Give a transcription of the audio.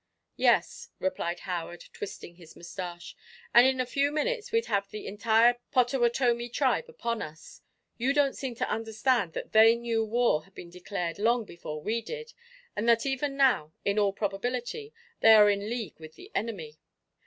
"Yes," replied Howard, twisting his mustache, "and in a few minutes we'd have the entire Pottawattomie tribe upon us. You don't seem to understand that they knew war had been declared long before we did, and that even now, in all probability, they are in league with the enemy.